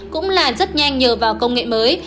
cũng là rất nhanh nhờ vào công nghệ mới